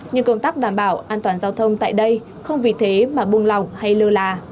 nhưng công tác đảm bảo an toàn giao thông tại đây không vì thế mà buông lỏng hay lơ là